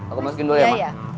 aku masukin dulu ya mas